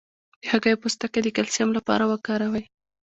د هګۍ پوستکی د کلسیم لپاره وکاروئ